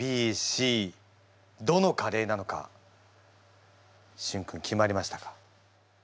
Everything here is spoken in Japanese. どのカレーなのかしゅん君決まりましたか？